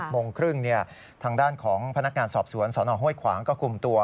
โมงครึ่งทางด้านของพนักงานสอบสวนสนห้วยขวางก็คุมตัว